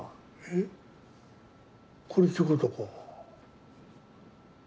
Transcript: えっこれって事か？